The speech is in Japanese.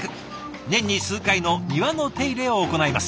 年に数回の庭の手入れを行います。